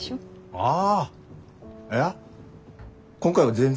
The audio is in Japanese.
ああ。